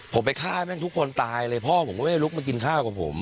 ผมไปฆ่าแม่งทุกคนตายเลยพ่อผมก็ไม่ได้ลุกมากินข้าวกับผม